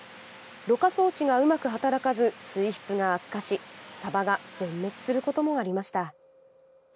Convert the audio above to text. ろ過装置がうまく働かず水質が悪化しサバが全滅することもありました。